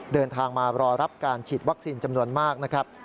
เดินทางมารอรับการฉีดวัคซีนจำนวนมากนะครับ